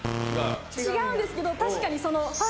違うんですけど確かに。